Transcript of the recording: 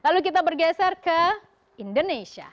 lalu kita bergeser ke indonesia